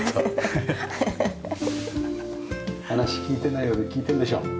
話聞いてないようで聞いてるんでしょ。